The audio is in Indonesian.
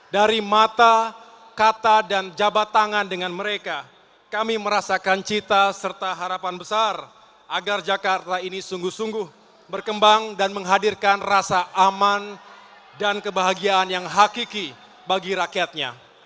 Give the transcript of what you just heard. dari mata kata dan jabat tangan dengan mereka kami merasakan cita serta harapan besar agar jakarta ini sungguh sungguh berkembang dan menghadirkan rasa aman dan kebahagiaan yang hakiki bagi rakyatnya